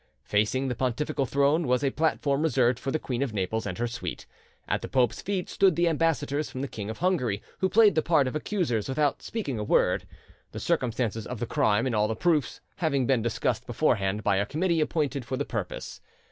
Facing the pontifical throne was a platform reserved for the Queen of Naples and her suite. At the pope's feet stood the ambassadors from the King of Hungary, who played the part of accusers without speaking a word, the circumstances of the crime and all the proofs having been discussed beforehand by a committee appointed for the purpose.